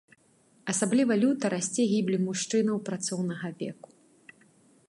Асабліва люта расце гібель мужчынаў працоўнага веку.